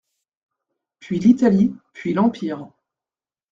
Puis l'Italie, puis l'Empire.